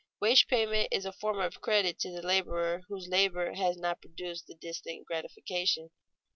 Wage payment is a form of credit to the laborer whose labor has not yet produced the distant gratification.